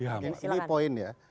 dihamat nah ini poin ya